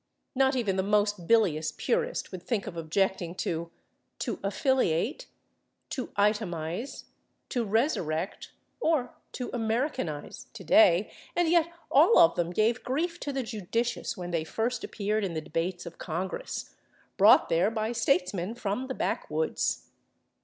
Not even the most bilious purist would think of objecting to /to affiliate/, /to itemize/, /to resurrect/ or /to Americanize/ today, and yet all of them gave grief to the judicious when they first appeared in the debates of Congress, brought there by statesmen from the backwoods.